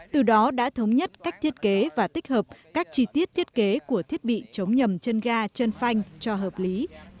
từ đó đã thống nhất cách thiết kế và tích hợp các chi tiết thiết kế của thiết bị chống nhầm chân ga chân phanh cho hợp lý